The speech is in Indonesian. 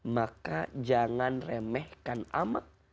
maka jangan remehkan amat